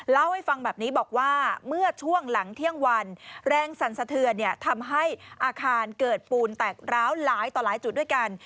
เล่าให้ฟังแบบนี้บอกว่าเมื่อช่วงหลังเที่ยงวันแรงสั่นสะเทือนทำให้อาคารเกิดปูนแตกร้าวหลายต่อหลายจุดด้วยกัน